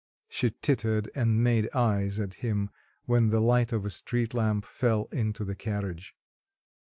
She tittered and made eyes at him when the light of a street lamp fell into the carriage.